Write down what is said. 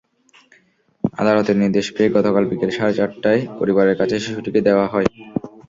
আদালতের নির্দেশ পেয়ে গতকাল বিকেল সাড়ে চারটায় পরিবারের কাছে শিশুটিকে দেওয়া হয়।